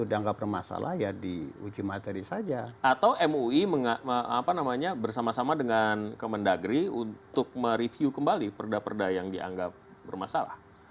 dalam kacamata pak johan ini perda yang sehat atau perda yang bermasalah